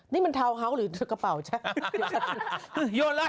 นี่มันเท้าเขาหรือกระเป๋าใช่ไหม